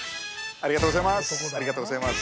ありがとうございます。